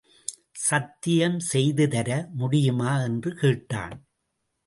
சத்தியம் செய்து தர முடியுமா? என்று கேட்டான்.